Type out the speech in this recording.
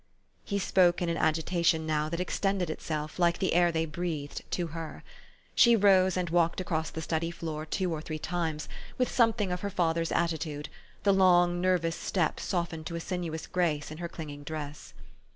He spoke in an agitation now, that extended itself, like the air they breathed, to her. She rose, and walked across the study floor two or three times, with something of her father's attitude, the long, nervous step softened to a sinuous grace in her clinging dress.